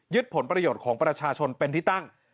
ผลประโยชน์ของประชาชนเป็นที่ตั้ง